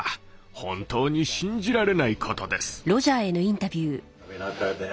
本当に信じられないことです。